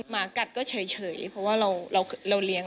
หมากัดก็เฉยเพราะว่าเราเลี้ยง